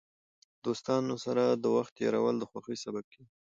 د دوستانو سره وخت تېرول د خوښۍ سبب کېږي.